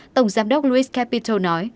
tổng giám đốc lewis capital nói